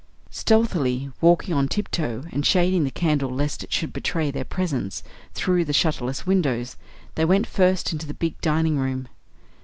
Stealthily, walking on tip toe and shading the candle lest it should betray their presence through the shutterless windows, they went first into the big dining room.